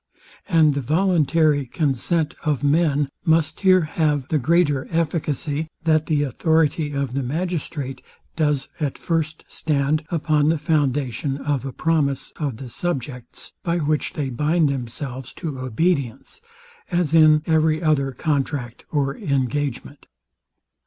And the voluntary consent of men must here have the greater efficacy, that the authority of the magistrate does at first stand upon the foundation of a promise of the subjects, by which they bind themselves to obedience; as in every other contract or engagement.